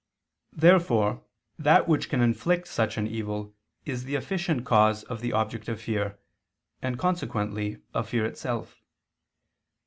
Therefore that which can inflict such an evil, is the efficient cause of the object of fear, and, consequently, of fear itself.